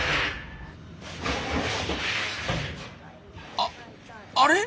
ああれ？